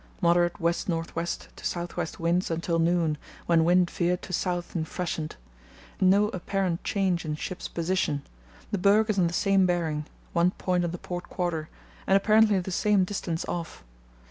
Moderate west north west to south west winds until noon, when wind veered to south and freshened. No apparent change in ship's position; the berg is on the same bearing (1 point on the port quarter) and apparently the same distance off.